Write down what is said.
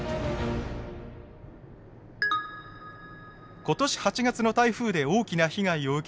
今年８月の台風で大きな被害を受けた鳥取県。